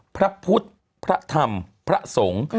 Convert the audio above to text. พระพุทธพระธรรมพระสงฆ์